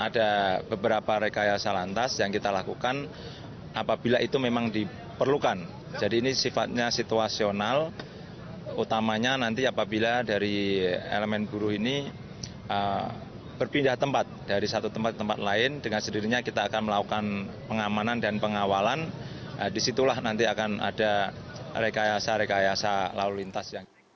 dengan sendirinya kita akan melakukan pengamanan dan pengawalan disitulah nanti akan ada rekayasa rekayasa lalu lintas